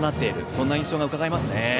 そんな印象がうかがえますね。